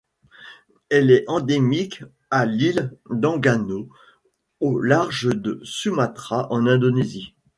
Elle est endémique à l'île d'Enggano au large de Sumatra en Indonésie.